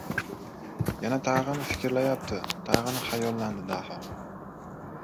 Yana-tag‘in, fikrlayapti, — tag‘in xayollandi Daho.